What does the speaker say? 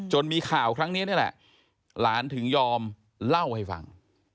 มีข่าวครั้งนี้นี่แหละหลานถึงยอมเล่าให้ฟัง